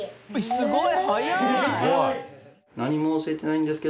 すごい。